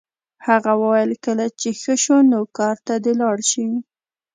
هغه وویل کله چې ښه شو نو کار ته دې لاړ شي